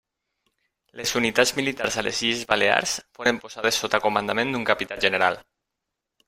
Les unitats militars a les Illes Balears foren posades sota comandament d’un capità general.